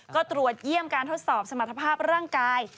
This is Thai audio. ก็ตรวจเยี่ยมการทดสอบสมรรถภาพร่างกาย